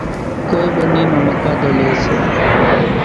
ڪونئين ٻنِي نو مقاۮو ليئيَ سي۔